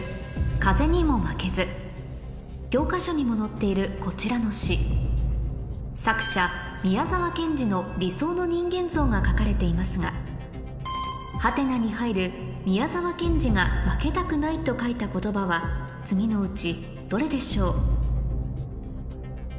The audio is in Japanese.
教科書にも載っているこちらの詩作者宮沢賢治の理想の人間像が書かれていますが宮沢賢治が負けたくないと書いた言葉は次のうちどれでしょう？